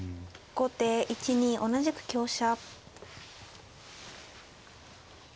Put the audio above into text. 後手１二同じく香車。